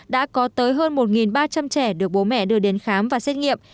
đã có tới hơn một ba trăm linh trẻ được bố mẹ đưa đến khám và xét nghiệm